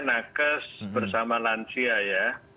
nakes bersama lansia ya